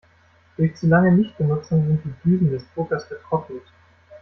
Durch zu lange Nichtbenutzung sind die Düsen des Druckers vertrocknet.